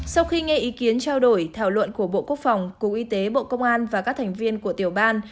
sau khi nghe ý kiến trao đổi thảo luận của bộ quốc phòng cục y tế bộ công an và các thành viên của tiểu ban